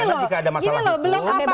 gimana jika ada masalah hukum